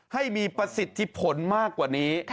ให้มีประสิทธิผลมากกว่านี้